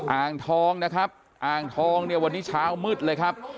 อ่างทองนะครับอ่างทองเนี่ยวันนี้เช้ามืดเลยครับ